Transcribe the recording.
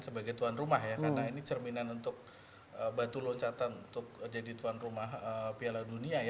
sebagai tuan rumah ya karena ini cerminan untuk batu loncatan untuk jadi tuan rumah piala dunia ya